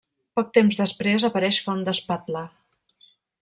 Poc temps després apareix Fondespatla.